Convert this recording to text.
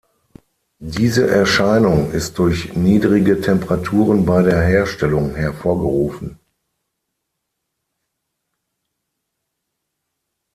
Diese Erscheinung ist durch niedrige Temperaturen bei der Herstellung hervorgerufen.